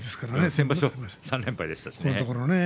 先場所は３連敗でした。